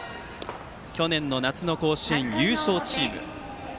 去年の夏の甲子園優勝チーム。